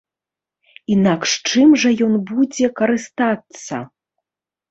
Інакш чым жа ён будзе карыстацца?